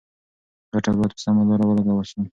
ګټه باید په سمه لاره ولګول شي.